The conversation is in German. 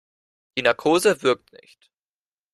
Die Narkose wirkt nicht.